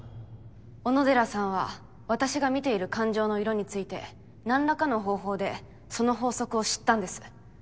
小野寺さんは私が見ている感情の色について何らかの方法でその法則を知ったんです。